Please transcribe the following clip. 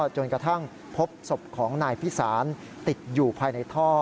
จนกระทั่งพบศพของนายพิสารติดอยู่ภายในท่อ